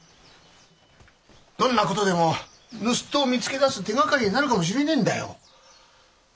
どんな事でも盗っ人を見つけ出す手がかりになるかもしれねえんだよ。